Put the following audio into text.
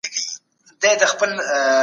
هنرمنه